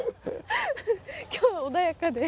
今日は穏やかで。